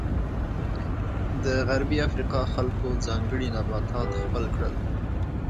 د غربي افریقا خلکو ځانګړي نباتات خپل کړل.